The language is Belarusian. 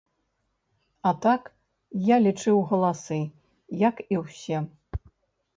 А так, я лічыў галасы, як і ўсе.